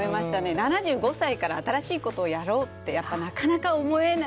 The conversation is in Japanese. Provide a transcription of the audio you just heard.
７５歳から新しいことをやろうって、やっぱ、なかなか思えない。